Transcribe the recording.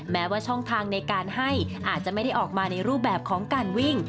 แม้ว่าช่องทางในการให้อาจจะไม่ได้ออกมาในรูปแบบของการวิ่ง